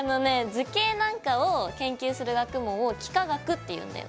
図形なんかを研究する学問を幾何学っていうんだよ。